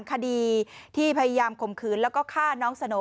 คดีที่พยายามข่มขืนแล้วก็ฆ่าน้องสโน